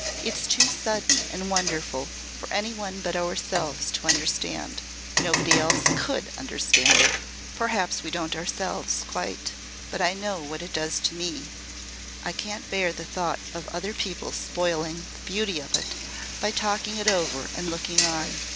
It's too sudden and wonderful for any one but ourselves to understand. Nobody else could understand it. Perhaps we don't ourselves quite! But I know what it does to me. I can't bear the thought of other people spoiling the beauty of it by talking it over and looking on."